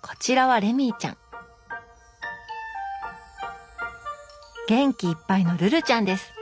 こちらはレミーちゃん元気いっぱいのルルちゃんです。